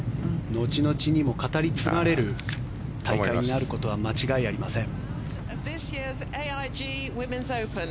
後々にも語り継がれる大会になるのは間違いありません。